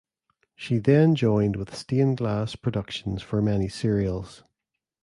She then joined with Stained Glass Productions for many serials.